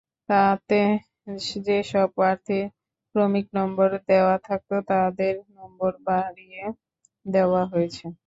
তাতে যেসব প্রার্থীর ক্রমিক নম্বর দেওয়া থাকত, তাঁদের নম্বর বাড়িয়ে দেওয়া হয়েছে।